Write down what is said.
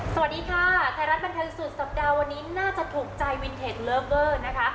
สวัสดีค่ะไทยรัฐบันเทิงสุดสัปดาห์วันนี้น่าจะถูกใจวินเทจเลอเวอร์นะคะ